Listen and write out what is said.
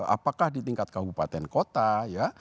apakah di tingkat kabupaten kota ya